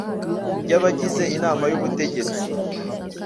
ry abagize Inama y ubutegetsi